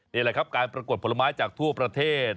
นี่แหละครับการปรากฏผลไม้จากทั่วประเทศ